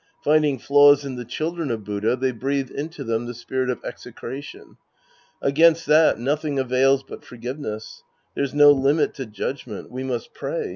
Finding flaws in the children of Buddha, they breathe into them the spirit of execration. Against that, nothing avails but forgiveness. There's no limit to judg ment. We must pray.